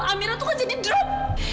amira tuh kan jadi drop